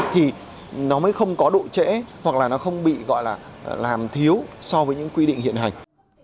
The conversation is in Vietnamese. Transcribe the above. thì nó mới không có độ trễ hoặc là nó không bị gọi là làm thiếu so với những quy định hiện hành